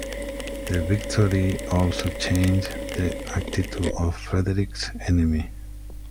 The victory also changed the attitude of Frederick's enemies.